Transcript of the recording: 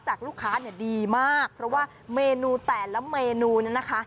จากลูกค้าดีมากเพราะว่าเมนูแต่ละเมนูนี่นะคะ